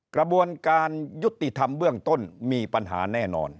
กระบวนการยุติธรรมเบื้องต้นมีปัญหาแน่นอน